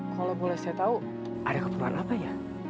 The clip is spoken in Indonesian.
kalau boleh saya tahu ada keperluan apa ya